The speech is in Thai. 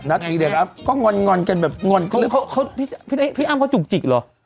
นัดนี้เดี๋ยวครับก็งนกันแบบงนพี่อ้าวเขาจุกจิกหรอ